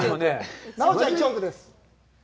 奈緒ちゃんは１億です。